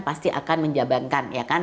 pasti akan menjabankan ya kan